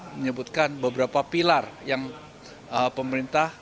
menyebutkan beberapa pilar yang pemerintah